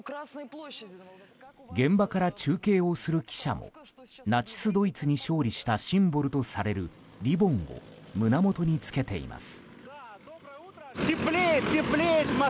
現場から中継をする記者もナチスドイツに勝利したシンボルとされるリボンを胸元に着けています。